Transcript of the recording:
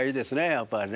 やっぱりね。